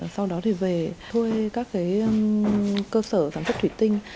sau đó thì về thuê các cơ sở sản xuất thủy tinh